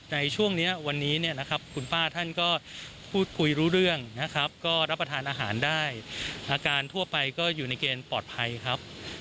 ในช่วงนี้วันนี้นะครับคุณป้าท่านก็พูดพูดรู้เรื่องนะครับ